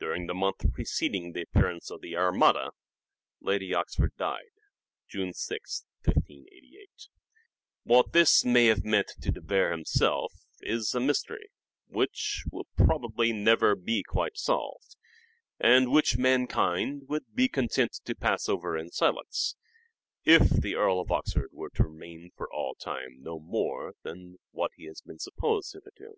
During the month preced ing the appearance of the Armada Lady Oxford died, June 6th, 1588. What this may have meant to 362 "SHAKESPEARE" IDENTIFIED De Vere himself is a mystery which will probably never be quite solved, and which mankind would be content to pass over in silence if the Earl of Oxford were to remain for all time no more than what has been supposed hitherto.